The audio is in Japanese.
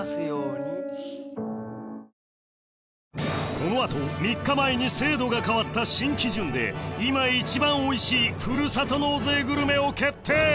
この後３日前に制度が変わった新基準で今一番おいしいふるさと納税グルメを決定